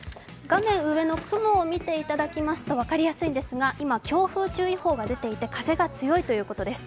画面上の雲を見ていただきますとわかりやすいんですが今、強風注意報が出ていて、風が強いということです。